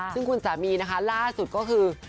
ซึ่งคุณสามีนะคะล่าสุดก็คือ